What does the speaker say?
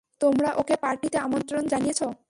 তোমরা ওকে পার্টিতে আমন্ত্রণ জানিয়েছো?